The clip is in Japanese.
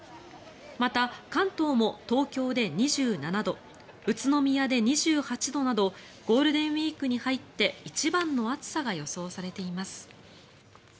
また関東も、東京で２７度宇都宮で２８度などゴールデンウィークに入って一番の暑さが予想されています。